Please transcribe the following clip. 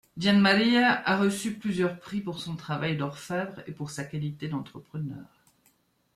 Gianmaria a reçu plusieurs prix pour son travail d'orfèvre et pour sa qualité d'entrepreneur.